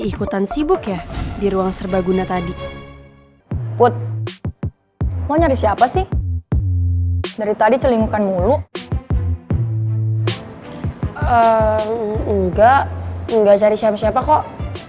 ehm nggak nggak cari siapa siapa kok